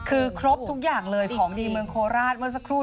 คือครบทุกอย่างเลยของดีเมืองโคราชเมื่อสักครู่